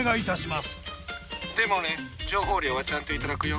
でもね情報料はちゃんと頂くよ。